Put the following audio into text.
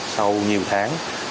sau nhiều tháng